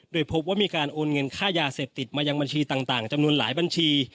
โดยพบว่ามีการโอนเงินค่ายาเสพติดมายังบัญชีต่างจำนวนหลายบัญชี